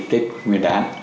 tết nguyên đán